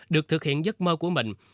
được thực hiện giấc mơ của mình